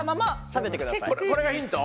これがヒント？